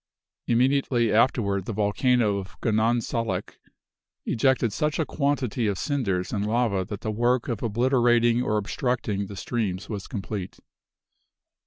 Immediately afterward the volcano of Gunung Salak ejected such a quantity of cinders and lava that the work of obliterating or obstructing the streams was complete.